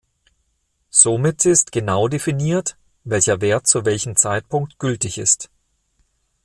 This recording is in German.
Somit ist genau definiert, welcher Wert zu welchem Zeitpunkt gültig ist.